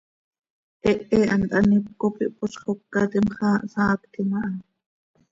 Hehe hant haníp cop ihpozxócatim, xaa hsaactim aha.